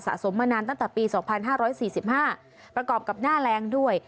สมมานานตั้งแต่ปี๒๕๔๕ประกอบกับหน้าแรงด้วย